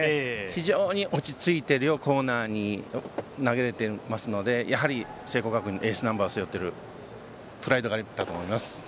非常に落ち着いて両コーナーに投げれていますのでやはり聖光学院のエースナンバーを背負ってるプライドがあったと思います。